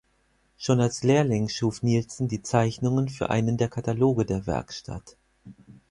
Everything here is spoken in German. Schon als Lehrling schuf Nielsen die Zeichnungen für einen der Kataloge der Werkstatt.